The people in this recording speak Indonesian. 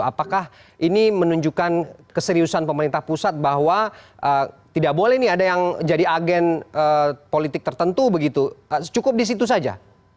apakah ini menunjukkan keseriusan pemerintah pusat bahwa tidak boleh nih ada yang jadi agen politik tertentu begitu cukup di situ saja